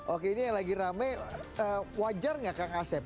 oke ini yang lagi rame wajar gak kakak saya